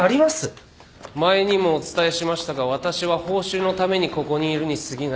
前にもお伝えしましたが私は報酬のためにここにいるにすぎない。